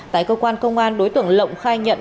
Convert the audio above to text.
tại cơ quan công an đối tượng lộng khai nhận